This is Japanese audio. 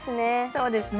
そうですね。